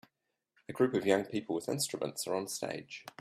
A group of young people with instruments are on stage.